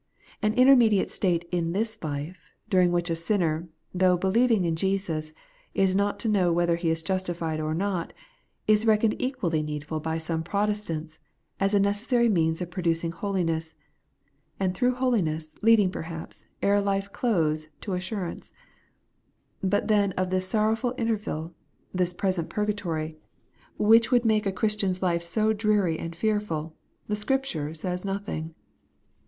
An intermediate state in this life, during which a sinner, though believing in Jesus, is not to know whether he is justified or not, is reckoned equally needful by some Protestants, as a necessary means of producing holiness, and through holiness leading perhaps ere life close to assurance ; but then of this sorrowful interval, this present purgatory, which would make 154 The Everlasting Bighteousness. a Christian's life so dreary and fearful, the Scripture says nothing.